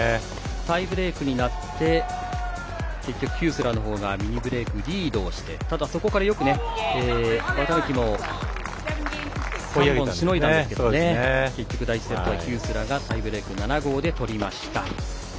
タイブレークになって結局、ヒュースラーの方がリードしてただ、そこからよく綿貫もしのいだんですけど結局、第１セットはヒュースラーがタイブレーク７−５で取りました。